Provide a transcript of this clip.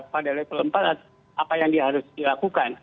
pada level empat apa yang dia harus dilakukan